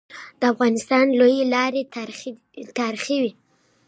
د افغانستان لويي لاري تاریخي وي.